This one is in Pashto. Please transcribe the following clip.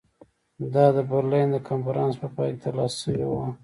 دا د برلین د کنفرانس په پای کې ترلاسه شوې وه.